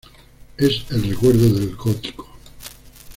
Es el recuerdo del Gótico.